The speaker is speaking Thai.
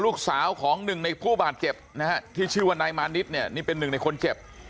ลูกสาวของ๑ในผู้บาดเจ็บที่ชื่อว่าไนมานิชเนี่ยนี่เป็น๑ในคนเจ็บ